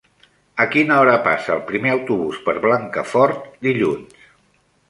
A quina hora passa el primer autobús per Blancafort dilluns?